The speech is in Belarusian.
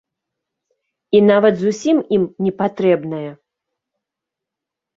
І нават зусім ім не патрэбнае.